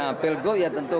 nah pilgub ya tentu